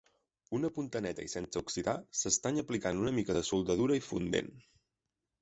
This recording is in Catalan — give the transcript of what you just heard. Una punta neta i sense oxidar s'estanya aplicant una mica de soldadura i fundent.